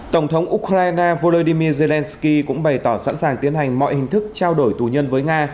tổng thống ukraine volodymyr zelensky cũng bày tỏ sẵn sàng tiến hành mọi hình thức trao đổi tù nhân với nga